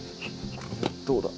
どうだ？